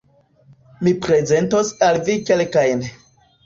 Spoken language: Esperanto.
Mi prezentos al vi kelkajn.